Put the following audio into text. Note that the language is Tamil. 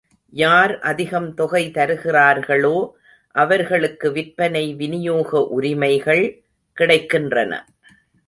யார் அதிகம் தொகை தருகிறார்களோ அவர்களுக்கு விற்பனை விநியோக உரிமைகள் கிடைக்கின்றன.